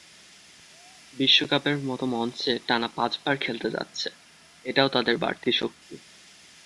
বিশ্বকাপের মতো মঞ্চে টানা পাঁচবার খেলতে যাচ্ছে, এটাও তাদের বাড়তি শক্তি।